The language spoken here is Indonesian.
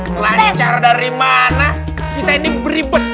selain cara dari mana kita ini beribet